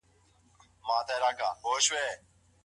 د وليمې مجلسونه بايد له کومو منکراتو څخه پاک وي؟